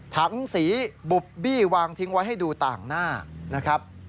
ถังสีบุบบี้วางทิ้งไว้ให้ดูต่างหน้านะครับ